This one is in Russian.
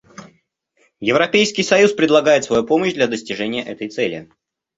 Европейский союз предлагает свою помощь для достижения этой цели.